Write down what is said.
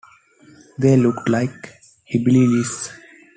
They looked like hillbillies.